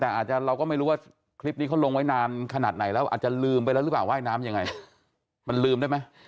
แต่อาจจะเราก็ไม่รู้ว่าคลิปนี้เขาลงไว้นานขนาดไหนแล้วอาจจะลืมไปแล้วหรือเปล่าว่ายน้ำยังไงมันลืมได้ไหม